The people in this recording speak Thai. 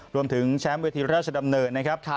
รวมถึงแชมป์เวทีราชดำเนินนะครับ